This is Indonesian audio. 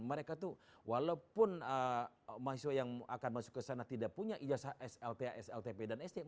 mereka tuh walaupun mahasiswa yang akan masuk ke sana tidak punya ijazah slta sltp dan sdm